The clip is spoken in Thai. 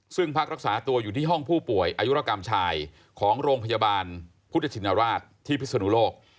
ซึ่งพักรักษาตัวอยู่ที่ห้องผู้ป่วยอายุรกรรมชายของโรงพยาบาลพุทธชินราชที่พิศนุโลก